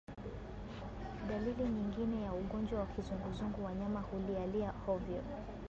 Dalili nyingine ya ugonjwa wa kizunguzungu wanyama hulialia hovyo